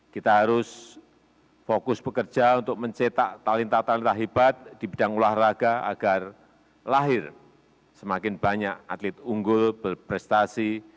kita harus fokus bekerja untuk mencetak talenta talenta hebat di bidang olahraga agar lahir semakin banyak atlet unggul berprestasi